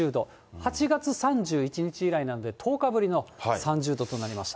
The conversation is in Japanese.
８月３１日以来なんで、１０日ぶりの３０度となりました。